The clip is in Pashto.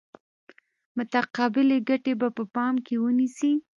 متقابلې ګټې به په پام کې ونیسي.